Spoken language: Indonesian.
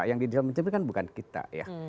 yang di cermin cermin kan bukan kita